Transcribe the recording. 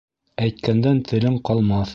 Әйткәндән телең ҡалмаҫ